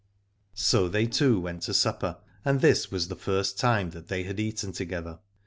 So they two went to supper, and this was the first time that they had eaten together.